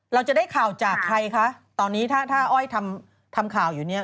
เราจะได้ข่าวจากใครคะตอนนี้ถ้าถ้าอ้อยทำข่าวอยู่เนี่ย